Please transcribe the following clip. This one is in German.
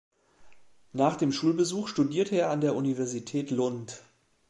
Nach dem Schulbesuch studierte er an der Universität Lund.